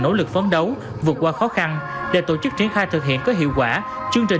nỗ lực phấn đấu vượt qua khó khăn để tổ chức triển khai thực hiện có hiệu quả chương trình